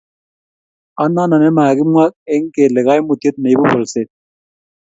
anonon ne makimwa eng' kele kaimutiet ne ibu bolset